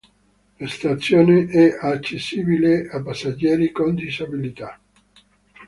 La stazione è accessibile a passeggeri con disabilità.